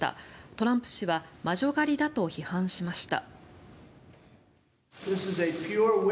トランプ氏は魔女狩りだと批判しました。